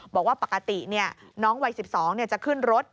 บอกว่าปกติน้องวัย๑๒จะขึ้นรถ